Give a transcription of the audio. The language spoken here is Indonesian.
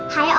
hai om badut